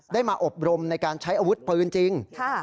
มาอบรมในการใช้อาวุธปืนจริง